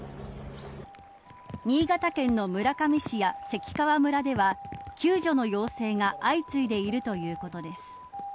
新潟県の村上市や関川村では救助の要請が相次いでいるということです。